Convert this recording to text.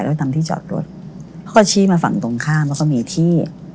แล้วตามที่จอดรถเขาก็ชี้มาฝั่งตรงข้ามแล้วก็มีที่